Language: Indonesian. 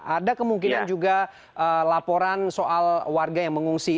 ada kemungkinan juga laporan soal warga yang mengungsi